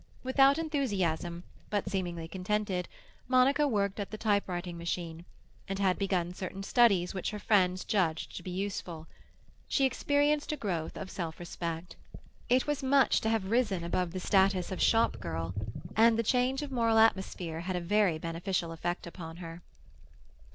Without enthusiasm, but seemingly contented, Monica worked at the typewriting machine, and had begun certain studies which her friends judged to be useful. She experienced a growth of self respect. It was much to have risen above the status of shop girl, and the change of moral atmosphere had a very beneficial effect upon her.